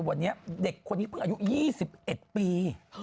วันนี้เด็กคนนี้เพิ่งอายุ๒๑ปี